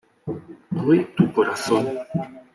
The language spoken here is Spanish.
Hoy tu corazón.